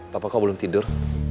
papa kau belum tidur